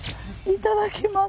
いただきます。